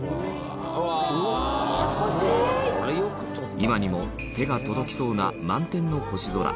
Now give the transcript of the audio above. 今にも手が届きそうな満天の星空